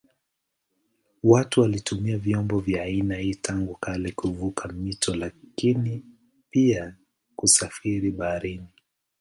Watu walitumia vyombo vya aina hii tangu kale kuvuka mito lakini pia kusafiri baharini.